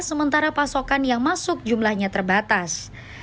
sementara pasokan yang masuk jumlahnya terbatas